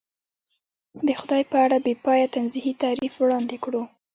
د خدای په اړه بې پایه تنزیهي تعریف وړاندې کړو.